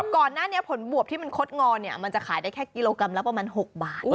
ก่อนหน้านี้ผลบวบที่มันคดงอเนี่ยมันจะขายได้แค่กิโลกรัมละประมาณ๖บาท